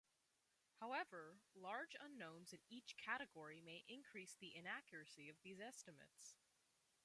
However, large unknowns in each category may increase the inaccuracy of these estimates.